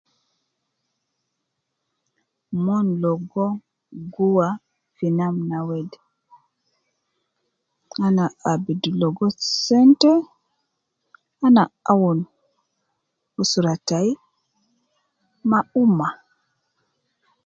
Mon logo ,guwa fi namna wede, ana abidu logo sente, ana awun usra tai ma umma